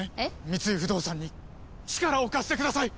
三井不動産に力を貸してください！